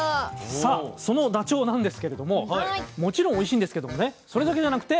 さあそのダチョウなんですけれどももちろんおいしいんですけどもねそれだけじゃなくて。